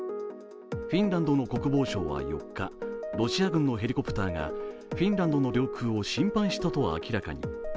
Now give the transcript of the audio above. フィンランドの国防省は４日ロシア軍のヘリコプターがフィンランドの領空を侵犯したと明らかに。